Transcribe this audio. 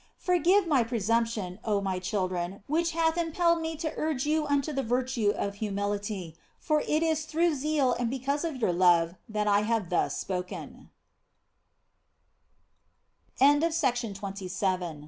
Forgive my presumption, oh my children, which hath impelled me to urge you unto the virtue of humility, for it is through zeal and because of your love that I have thus spoke